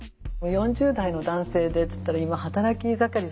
４０代の男性でっつったら今働き盛りじゃないですか。